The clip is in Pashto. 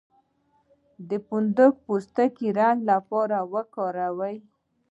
د فندق پوستکی د رنګ لپاره وکاروئ